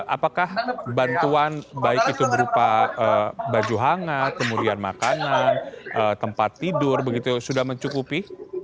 apakah bantuan baik itu berupa baju hangat kemudian makanan tempat tidur begitu sudah mencukupi